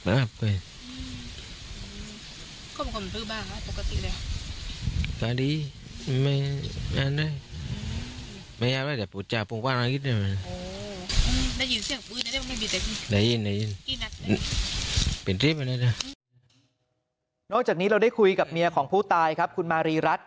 นอกจากนี้เราได้คุยกับเมียของผู้ตายครับคุณมารีรัฐ